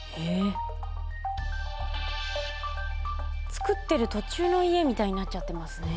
作ってる途中の家みたいになっちゃってますね。